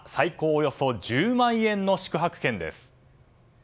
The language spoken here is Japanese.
およそ１０万円の宿泊券です。